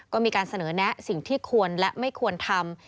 ก็มีการเสนอแนะสิ่งที่ควรและไม่ควรทำ